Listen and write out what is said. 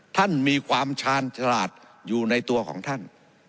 ท่านมีความชาญฉลาดอยู่ในตัวของท่าน